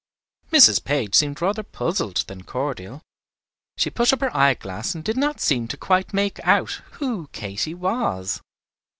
Mrs. Page seemed rather puzzled than cordial. She put up her eyeglass and did not seem to quite make out who Katy was.